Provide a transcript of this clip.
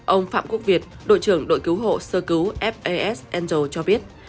ông phạm quốc việt đội trưởng đội cứu hộ sơ cứu fas angel cho biết